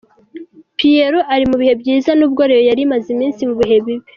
Pierrot ari mu bihe byiza nubwo Rayon yari imaze iminsi mu bihe bibi.